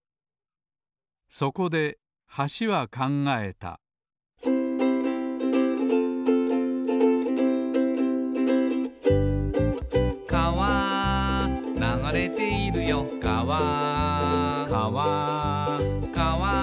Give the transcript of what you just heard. そこで橋は考えた「かわ流れているよかわ」